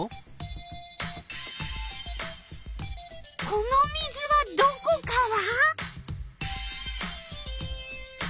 この水はどこから？